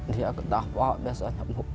dia ketawa biasanya